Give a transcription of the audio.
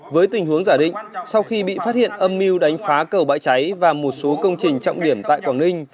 với tình huống giả định sau khi bị phát hiện âm mưu đánh phá cầu bãi cháy và một số công trình trọng điểm tại quảng ninh